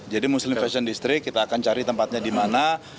jadi muslim fashion district kita akan cari tempatnya dimana